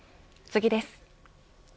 次です。